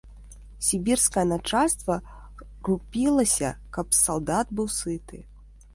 Сібірскае начальства рупілася, каб салдат быў сыты.